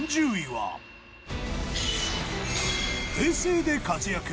平成で活躍